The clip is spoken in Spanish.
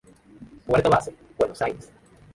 Puerto base: Buenos Aires.